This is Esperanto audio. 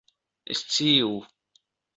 sciu